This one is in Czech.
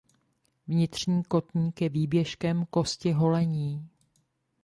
Vnitřní kotník je výběžkem kosti holenní.